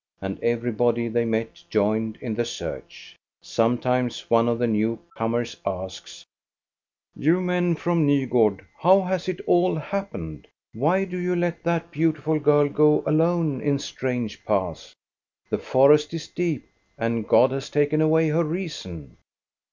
And everybody they met joined in the search. Sometimes one of the new comers asks, — "You men from Nygard, how has it all happened? Why do you let that beautiful girl go alone in strange paths? The forest is deep, and God has taken away her reason."